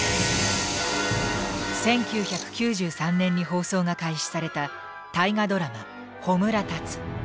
１９９３年に放送が開始された大河ドラマ「炎立つ」。